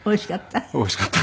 おいしかった？